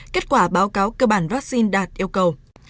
kết quả báo cáo cơ bản vắc xin đạt yêu cầu